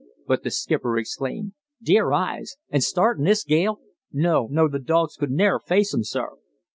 But the skipper exclaimed: "Dear eyes! an' start in this gale! No, no, th' dogs could ne'er face un, sir."